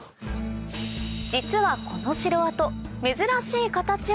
実はこの城跡